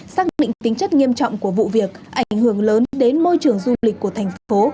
xác định tính chất nghiêm trọng của vụ việc ảnh hưởng lớn đến môi trường du lịch của thành phố